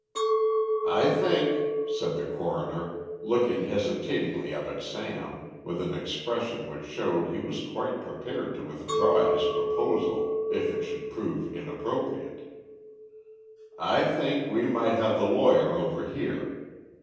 "I think," said the coroner, looking hesitatingly up at Sam, with an expression which showed he was quite prepared to withdraw his proposal if it should prove inappropriate, "I think we might have the lawyer over here.